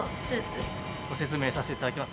ご説明させて頂きます。